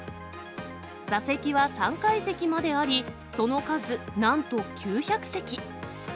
座席は３階席まであり、その数なんと９００席。